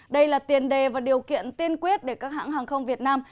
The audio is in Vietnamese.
đây là tiền đề và điều kiện tiên quyết để các hãng hàng không việt nam